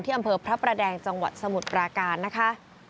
อำเภอพระประแดงจังหวัดสมุทรปราการนะคะ